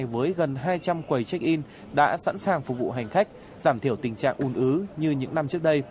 với gần hai trăm linh quầy check in đã sẵn sàng phục vụ hành khách giảm thiểu tình trạng ùn ứ như những năm trước đây